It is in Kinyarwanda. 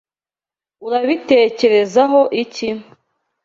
Urabitekerezaho iki?